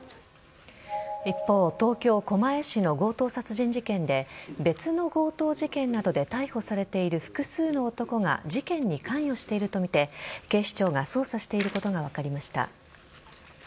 一方東京・狛江市の強盗殺人事件で別の強盗事件などで逮捕されている複数の男が事件に関与しているとみて警視庁が捜査していることが分かりました。